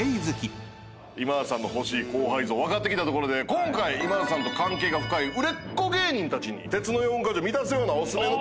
今田さんの欲しい後輩像分かってきたところで今回今田さんと関係が深い売れっ子芸人たちに鉄の４ヶ条満たすようなお薦めの後輩を聞いてきました。